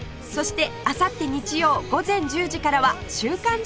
そしてあさって日曜午前１０時からは『週刊！